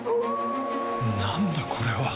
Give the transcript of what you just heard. なんだこれは